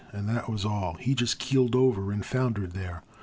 And that was all; He just keeled over and foundered there.